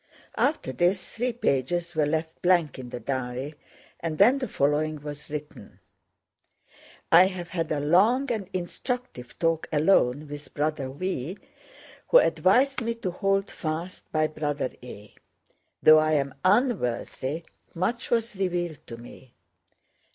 After this, three pages were left blank in the diary, and then the following was written: I have had a long and instructive talk alone with Brother V., who advised me to hold fast by Brother A. Though I am unworthy, much was revealed to me.